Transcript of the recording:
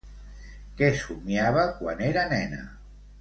Què somiava quan era nena?